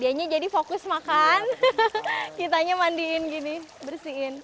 kayaknya jadi fokus makan kitanya mandiin gini bersihin